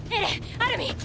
アルミン！